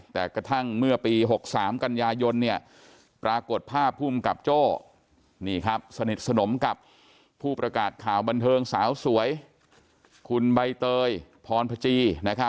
แต่กระทั่งเมื่อปี๖๓กันยายนปรากฏภาพภูมิกับโจ้นี่ครับสนิทสนมกับผู้ประกาศข่าวบันเทิงสาวสวยคุณใบเตยพรพจี